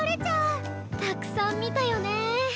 たくさん見たよねえ。